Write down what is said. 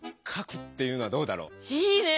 いいね！